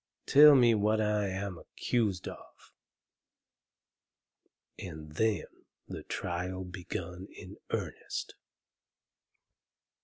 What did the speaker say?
Tell me what I am accused of?" And then the trial begun in earnest.